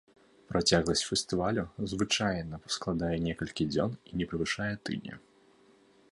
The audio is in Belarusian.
Працягласць фестывалю звычайна складае некалькі дзён і не перавышае тыдня.